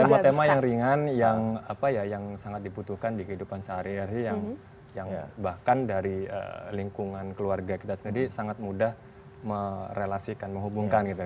tema tema yang ringan yang sangat dibutuhkan di kehidupan sehari hari yang bahkan dari lingkungan keluarga kita sendiri sangat mudah merelasikan menghubungkan gitu